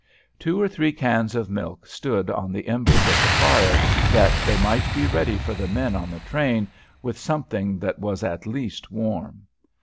Two or three cans of milk stood on the embers of the fire, that they might be ready for the men on the train with something that was at least warm.